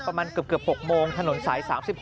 ประมาณเกือบ๖โมงถนนสาย๓๖